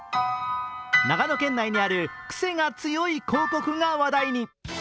長野県内にあるクセが強い広告が話題に。